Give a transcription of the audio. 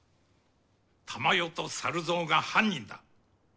珠世と猿蔵が犯人だ。